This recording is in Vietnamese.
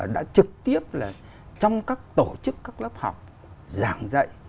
đã trực tiếp là trong các tổ chức các lớp học giảng dạy